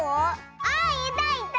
あいたいた！